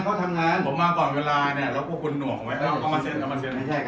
พี่ทีทีพี่น้องคนนี้ใช่ไหมเอาไว้ให้จ่ายน้อยเนี่ย